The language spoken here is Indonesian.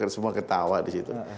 semua ketawa disitu